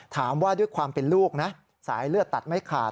ถามว่าด้วยความเป็นลูกนะสายเลือดตัดไม่ขาด